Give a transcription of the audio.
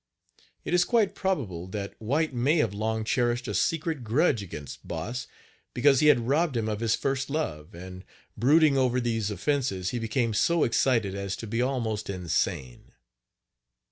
It is quite probable that White may have long cherished a secret grudge against Boss, because he had robbed him of his first love; and, brooding over these offenses, he became so excited as to be almost insane.